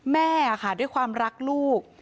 แม่ค่ะด้วยความรักลูก